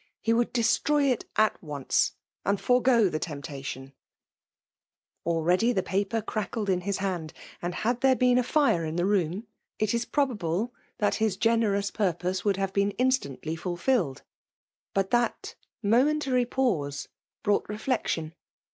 He would destroy itut once, and forego the temptation !. Already the paper crackled in his h^j^;; and, had there been a fire in the room^ it.i^ probable that his generous purpose would rVMALK DOMINATION. SI • kare been iasUtitly fulfilled. Bat that mo meBtary pftose broi^t refleetten.